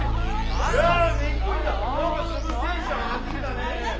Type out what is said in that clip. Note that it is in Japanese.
何かすごいテンション上がってきたね。